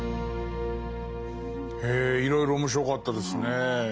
へえいろいろ面白かったですね。